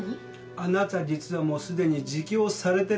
あなた実はもうすでに自供されてるんですよ。